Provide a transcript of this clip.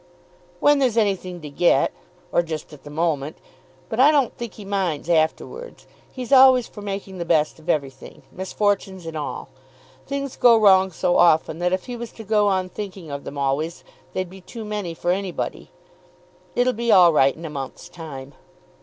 "When there's anything to get; or just at the moment. But I don't think he minds afterwards. He's always for making the best of everything; misfortunes and all. Things go wrong so often that if he was to go on thinking of them always they'd be too many for anybody. It'll be all right in a month's time.